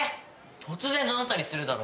突然怒鳴ったりするだろ？